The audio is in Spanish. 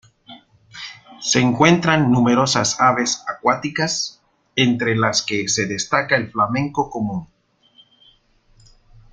Se encuentran numerosas aves acuáticas, entre las que se destaca el flamenco común.